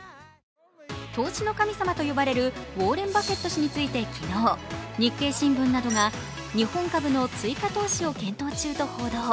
投資の神様と呼ばれるウォーレン・バフェット氏について昨日「日経新聞」などが日本株の追加投資を検討中と報道。